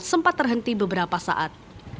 sempat terhenti beberapa saat